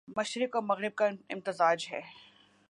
مشرق و مغرب کا امتزاج ہے